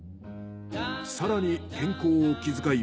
さらに健康を気遣い